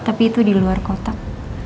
tapi itu di luar kotak